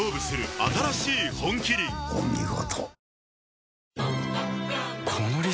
お見事。